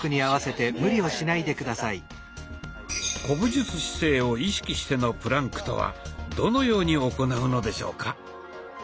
古武術姿勢を意識してのプランクとはどのように行うのでしょうか？